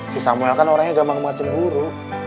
si samuel kan orangnya gampang gampang cemburu